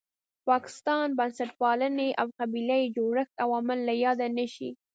پاکستان، بنسټپالنې او قبیله یي جوړښت عوامل له یاده نه شي.